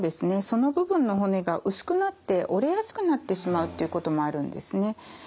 その部分の骨が薄くなって折れやすくなってしまうっていうこともあるんですね。